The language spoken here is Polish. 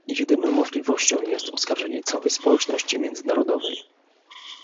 Jedyną możliwością jest oskarżenie całej społeczności międzynarodowej